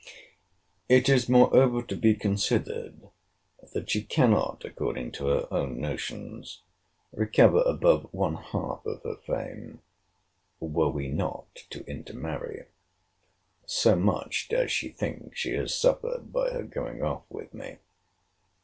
It is moreover to be considered that she cannot, according to her own notions, recover above one half of her fame, were we not to intermarry; so much does she think she has suffered by her going off with me.